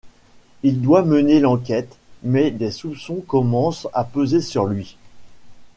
Il doit mener l'enquête, mais des soupçons commencent à peser sur lui.